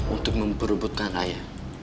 untuk memperebutkan raya